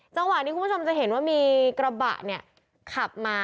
จังหวะนี้คุณผู้ชมจะเห็นว่ามีกระบะเนี่ยขับมา